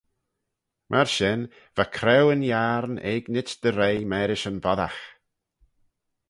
Myr shen va Craueyn Yiarn eginit dy roie marish yn boddagh.